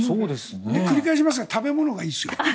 繰り返しますが食べ物がいいんですよ。